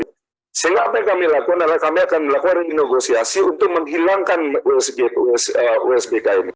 sehingga apa yang kami lakukan adalah kami akan melakukan renegosiasi untuk menghilangkan usbk ini